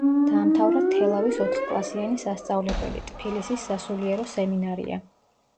დაამთავრა თელავის ოთხკლასიანი სასწავლებელი, ტფილისის სასულიერო სემინარია.